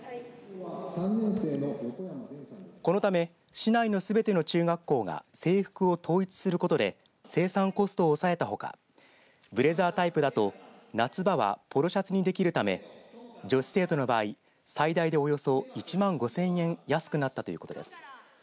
このため市内のすべての中学校が制服を統一することで生産コストを抑えたほかブレザータイプだと夏場はポロシャツにできるため女子生徒の場合、最大でおよそ１万５千円安くなったということです。